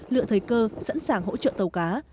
lựa thời cơ sẵn sàng hỗ trợ tàu cá